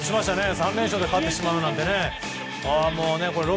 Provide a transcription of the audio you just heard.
３連勝で勝ってしまうなんてね。